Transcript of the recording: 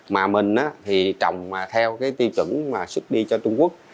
mà mình thì trồng theo tiêu chuẩn xuất đi cho trung quốc